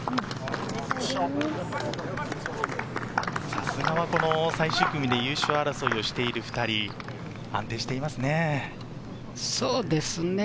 さすがは最終組で優勝争いをしている２人、安定していますね。